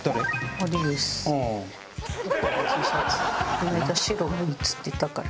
この間「白がいい！」っつってたから。